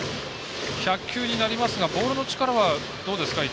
１００球になりますがボールの力はどうですか。